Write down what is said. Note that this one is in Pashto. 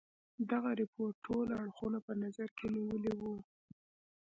دغه رپوټ ټول اړخونه په نظر کې نیولي وه.